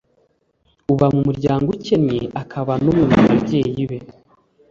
uba mu muryango ukennye akabana n’umwe mu babyeyi be